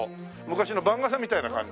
昔の番傘みたいな感じ。